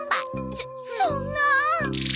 そそんなあ。